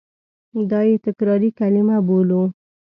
دا یې تکراري کلیمه بولو.